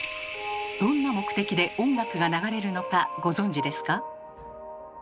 どんな目的で音楽が流れるのかご存じですか？